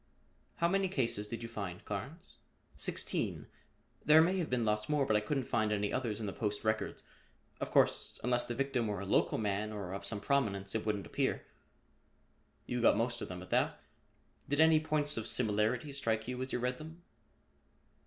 "How many cases did you find, Carnes?" "Sixteen. There may have been lots more but I couldn't find any others in the Post records. Of course, unless the victim were a local man, or of some prominence, it wouldn't appear." "You got most of them at that. Did any points of similarity strike you as you read them?"